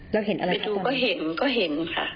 ไปดูก็เห็นค่ะ